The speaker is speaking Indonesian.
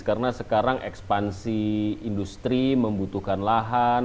karena sekarang ekspansi industri membutuhkan lahan